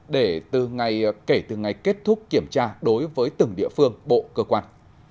để từ ngày kết thúc kiểm tra đối với từng địa phương bộ cơ quan